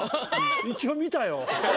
一応見たよ